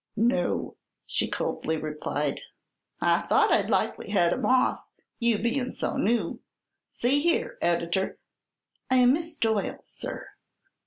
"No," she coldly replied. "I thought I'd likely head him off, you being so new. See here, Editor " "I am Miss Doyle, sir."